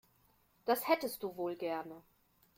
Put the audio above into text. Das hättest du wohl gerne.